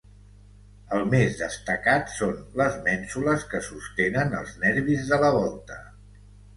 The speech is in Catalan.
El més destacat són les mènsules que sostenen els nervis de la volta.